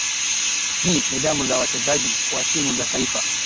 ni nidhamu za wachezaji wa timu za taifa